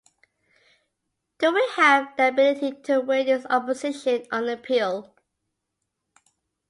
Do we have the ability to win this opposition on appeal?